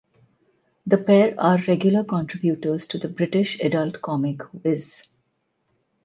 The pair are regular contributors to the British adult comic "Viz".